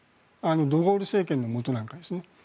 ド・ゴール政権のもとなんかでですね。